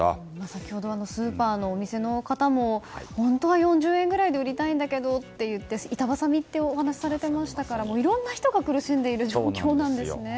先ほどスーパーのお店の方も本当は４０円ぐらいで売りたいんだけどと板挟みというお話をされていましたけどいろんな人が苦しんでいる状況なんですね。